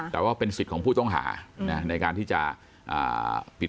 แต่ว่าเป็นสิทธิ์ของผู้ต้องหาในการที่จะปิด